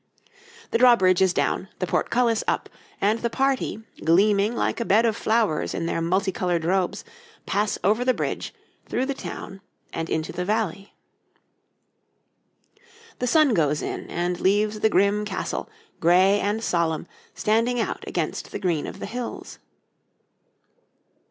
The drawbridge is down, the portcullis up, and the party, gleaming like a bed of flowers in their multi coloured robes, pass over the bridge, through the town, and into the valley. The sun goes in and leaves the grim castle, gray and solemn, standing out against the green of the hills....